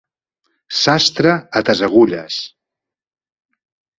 Sastre, a tes agulles.